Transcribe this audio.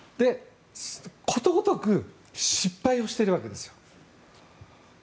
ことごとく失敗をしているわけです。